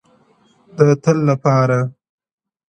• د تل لپاره؛